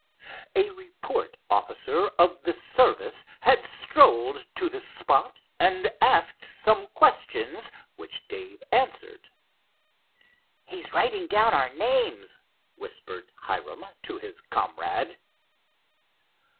A report officer of the service had strolled to the spot, and asked some questions which Dave answered. "He's writing down our names," whispered Hiram to his comrade.